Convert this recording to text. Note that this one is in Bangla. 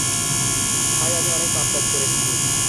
ভাই আমি অনেক পাপ কাজ করেছি।